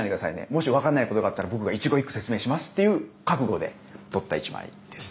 もし分かんないことがあったら僕が一語一句説明しますっていう覚悟で撮った１枚です。